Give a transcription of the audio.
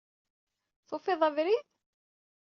Tufiḍ abrid?